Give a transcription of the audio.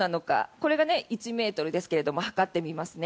これが１ｍですが測ってみますね。